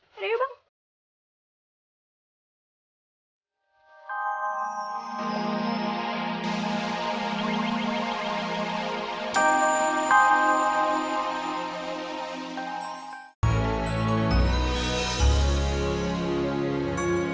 sampai ketemu di pengadilan